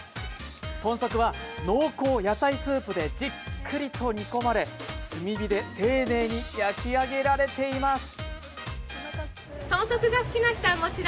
豚足は濃厚野菜スープでじっくりと煮込まれ炭火で丁寧に焼き上げられています。